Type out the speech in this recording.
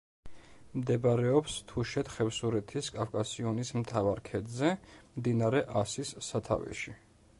მდებარეობს თუშეთ-ხევსურეთის კავკასიონის მთავარ ქედზე, მდინარე ასის სათავეში.